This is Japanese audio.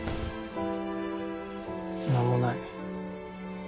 何もない。